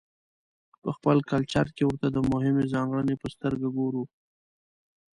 په خپل کلچر کې ورته د مهمې ځانګړنې په سترګه ګورو.